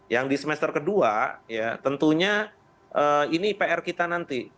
yang di semester kedua ya tentunya ini pr kita nanti